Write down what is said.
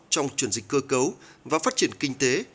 trong chuyển dịch cơ cấu và phát triển kinh tế